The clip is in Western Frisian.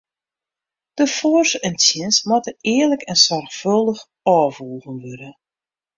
De foars en tsjins moatte earlik en soarchfâldich ôfwoegen wurde.